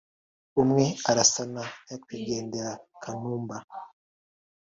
umwe arasa na nyakwigendera Kanumba